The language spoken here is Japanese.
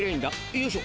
よいしょ！